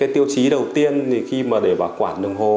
tiêu chí đầu tiên khi để bảo quản đồng hồ